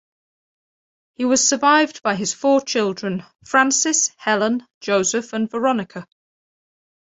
He was survived by his four children Frances, Helen, Joseph and Veronica.